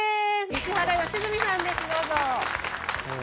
石原良純さんですどうぞ。